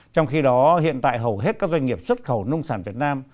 trong khi đó hiện tại hầu hết các doanh nghiệp xuất khẩu nông sản việt nam